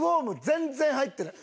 全然入ってない。